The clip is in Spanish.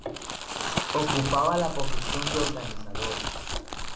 Ocupaba la posición de organizador.